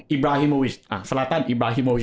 อิบราฮิมวิช